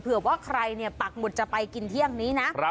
เผื่อว่าใครปักหมุดจะไปกินเที่ยงนี้นะ